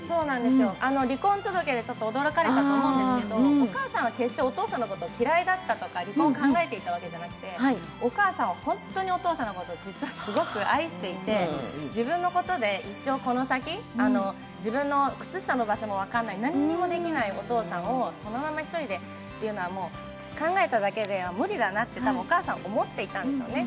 離婚届で驚かれたと思うんですけど、お母さんは決してお父さんのことを嫌いだったとか離婚を考えていたわけじゃなくてお母さんは本当にお父さんのことを実はすごく愛していて自分のことで一生この先、自分の靴下の場所も分からない、何にもできないお父さんをこのまま一人でというのは、考えただけで、無理だなとたぶんお母さん思ってたんですよね。